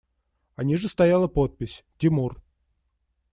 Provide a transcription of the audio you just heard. А ниже стояла подпись: «Тимур».